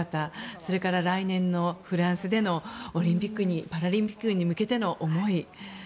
それから来年のフランスでのオリンピック・パラリンピックに向けての思い